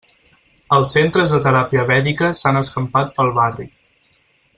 Els centres de teràpia vèdica s'han escampat pel barri.